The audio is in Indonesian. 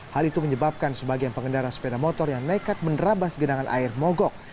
hal itu menyebabkan sebagian pengendara sepeda motor yang nekat menerabas genangan air mogok